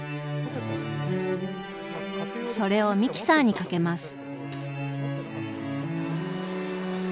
それをミキサーにかけます。